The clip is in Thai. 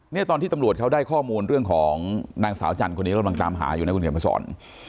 เนี่ยตอนที่ตำรวจเขาได้ข้อมูลเรื่องของนางสาวจันทร์คนนี้เรากำลังตามหาอยู่นะคุณเขียนมาสอน